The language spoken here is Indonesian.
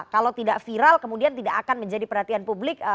kalau tidak viral kemudian tidak akan menjadi perhatian publik